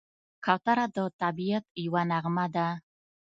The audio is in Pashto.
کوتره د طبیعت یوه نغمه ده.